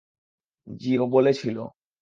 জি, ও বলেছিল।